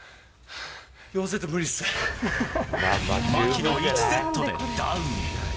槙野、１セットでダウン。